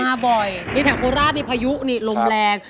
มาบ่อยนี่แถวโคราชนี่พายุนี่ลมแรง